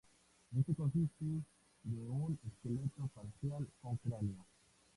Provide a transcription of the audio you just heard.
Este consiste de un esqueleto parcial con cráneo.